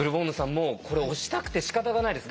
もうこれ押したくてしかたがないです。